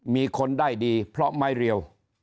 มีคนได้ดีเพราะไม้เรียว